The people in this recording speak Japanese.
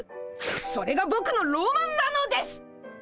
それがぼくのロマンなのです！